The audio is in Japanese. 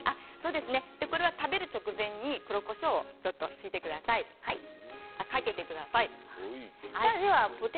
食べる直前に黒こしょうをかけてください。